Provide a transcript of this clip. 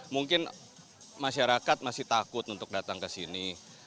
mungkin masyarakat masih takut untuk datang ke sini